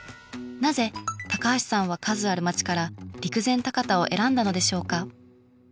なぜ高橋さんは数ある町から陸前高田を選んだのでしょうか？